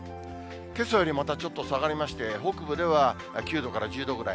けさよりもまたちょっと下がりまして、北部では９度から１０度ぐらい。